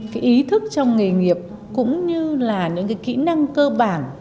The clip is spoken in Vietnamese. cái ý thức trong nghề nghiệp cũng như là những cái kỹ năng cơ bản